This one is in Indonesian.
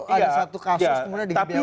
ada satu kasus